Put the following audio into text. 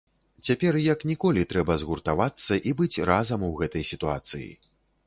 Цяпер як ніколі трэба згуртавацца і быць разам у гэтай сітуацыі.